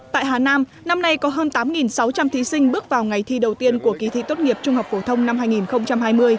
tại hà nam năm nay có hơn tám sáu trăm linh thí sinh bước vào ngày thi đầu tiên của kỳ thi tốt nghiệp trung học phổ thông năm hai nghìn hai mươi